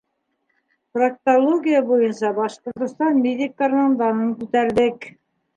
Проктология буйынса Башҡортостан медиктарының данын күтәрҙек.